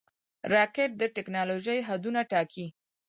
راکټ د ټېکنالوژۍ حدونه ټاکي